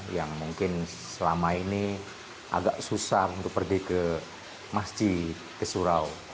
yang mungkin selama ini agak susah untuk pergi ke masjid ke surau